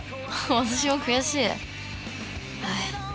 私も悔しい！